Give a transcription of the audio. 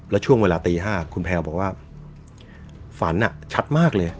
แล้วช่วงเวลาตี๕คุณแพลวบอกว่าฝันชัดมากเลย